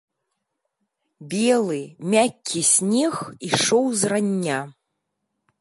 Белы, мяккі снег ішоў з рання.